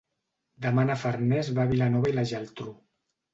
Demà na Farners va a Vilanova i la Geltrú.